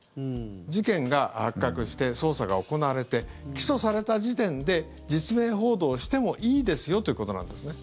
事件が発覚して捜査が行われて起訴された時点で実名報道してもいいですよということなんですね。